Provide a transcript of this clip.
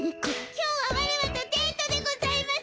今日はワラワとデートでございます。